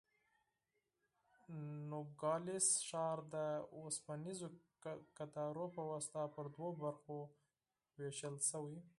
نوګالس ښار د اوسپنیزو کټارو په واسطه پر دوو برخو وېشل شوی.